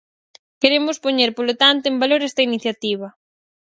Queremos poñer, polo tanto, en valor esta iniciativa.